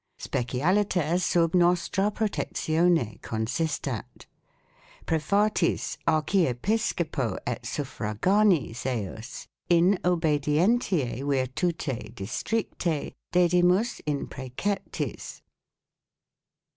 specialiter sub nostra protectione consistat ; prefatis Archiepiscopo et Suffraganis eius in obedientie uirtute districte 5 dedimus in preceptis.